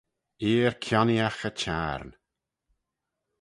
Eer kionneeaght y Çhiarn.